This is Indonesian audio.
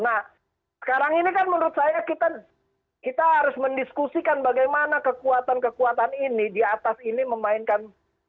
nah sekarang ini kan menurut saya kita harus mendiskusikan bagaimana kekuatan kekuatan ini di atas ini memainkan